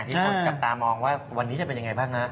ที่คนจับตามองว่าวันนี้จะเป็นยังไงบ้างนะ